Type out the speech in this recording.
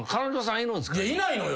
いやいないのよ。